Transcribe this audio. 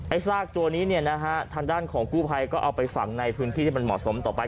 ซากตัวนี้เนี่ยนะฮะทางด้านของกู้ภัยก็เอาไปฝังในพื้นที่ที่มันเหมาะสมต่อไป